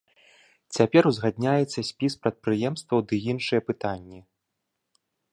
Цяпер узгадняецца спіс прадпрыемстваў ды іншыя пытанні.